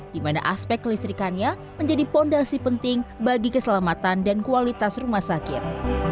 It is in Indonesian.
di mana aspek kelistrikannya menjadi fondasi penting bagi keselamatan dan kualitas rumah sakit